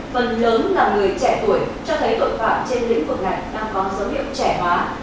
phần lớn là người trẻ tuổi cho thấy tội phạm trên lĩnh vực này đang có dấu hiệu trẻ hóa